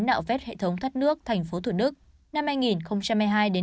nạo vét hệ thống thắt nước tp thủ đức năm hai nghìn hai mươi hai đến hai nghìn hai mươi ba